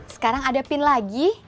sekarang ada pin lagi